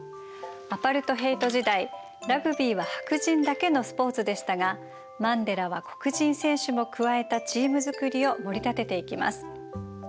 アパルトヘイト時代ラグビーは白人だけのスポーツでしたがマンデラは黒人選手も加えたチーム作りをもり立てていきます。